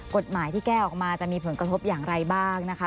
กฎหมายที่แก้ออกมาจะมีผลกระทบอย่างไรบ้างนะคะ